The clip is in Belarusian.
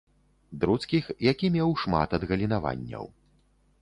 Друцкіх, які меў шмат адгалінаванняў.